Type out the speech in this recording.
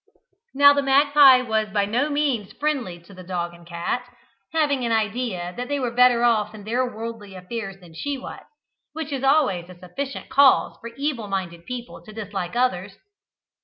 Now the magpie was by no means friendly to the dog and cat, having an idea that they were better off in their worldly affairs than she was, which is always a sufficient cause for evil minded people to dislike others.